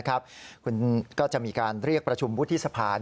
คุณก็จะมีการเรียกประชุมวุฒิสภา